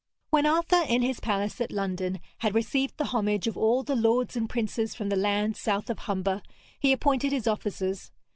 When Arthur in his palace at London had received the homage of all the lords and princes from the lands south of Humber, he appointed his officers.